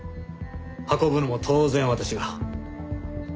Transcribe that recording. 運ぶのも当然私が。